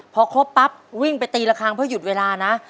พอครบปั๊บวิ่งไปตีละครั้งเพื่อหยุดเวลานะ